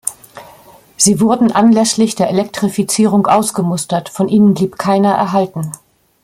Sie wurden anlässlich der Elektrifizierung ausgemustert, von ihnen blieb keiner erhalten.